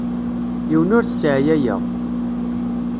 Yiwen ur t-sseɛyayeɣ.